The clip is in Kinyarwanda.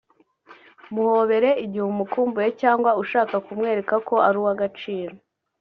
Muhobere igihe umukumbuye cyangwa ushaka kumwereka ko ari uw’agaciro